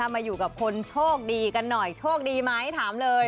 มาอยู่กับคนโชคดีกันหน่อยโชคดีไหมถามเลย